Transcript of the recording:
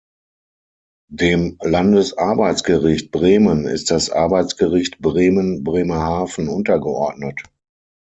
Dem Landesarbeitsgericht Bremen ist das Arbeitsgericht Bremen-Bremerhaven untergeordnet.